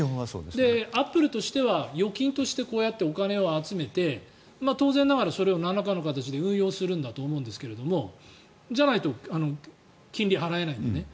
アップルとしては預金としてこうやってお金を集めて当然ながら、それをなんらかの形で運用するんだと思いますけどじゃないと金利払えないのでね。